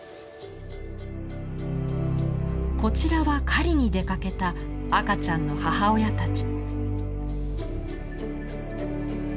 こちらは狩りに出かけた赤ちゃんの母親たち。